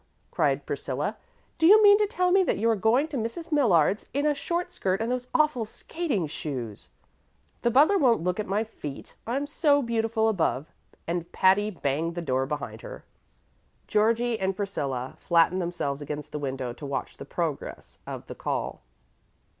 cried Priscilla. "Do you mean to tell me that you are going to Mrs. Millard's in a short skirt and those awful skating shoes?" "The butler won't look at my feet; I'm so beautiful above"; and Patty banged the door behind her. Georgie and Priscilla flattened themselves against the window to watch the progress of the call.